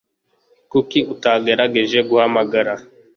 Kuki utagerageje guhamagara ?